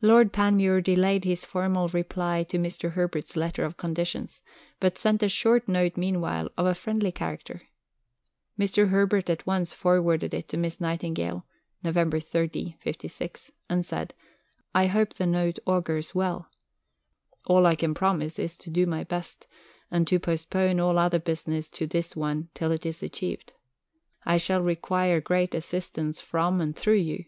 Lord Panmure delayed his formal reply to Mr. Herbert's letter of conditions, but sent a short note meanwhile of a friendly character. Mr. Herbert at once forwarded it to Miss Nightingale (Nov. 30, '56), and said: "I hope the note augurs well.... All I can promise is to do my best, and to postpone all other business to this one object till it is achieved. I shall require great assistance from and thro' you.